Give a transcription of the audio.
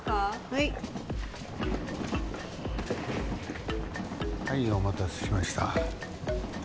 はいはいお待たせしました